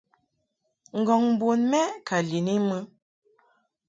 Ngɔŋ bun mɛʼ ka lin I mɨ.